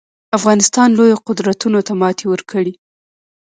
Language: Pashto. افغانستان لویو قدرتونو ته ماتې ورکړي